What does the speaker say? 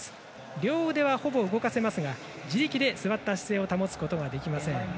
両腕はほぼ動かせますが自力で座った姿勢を保つことができません。